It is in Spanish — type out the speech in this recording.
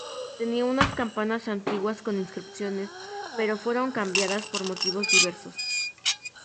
Tenía unas campanas antiguas con inscripciones, pero fueron cambiadas por motivos diversos.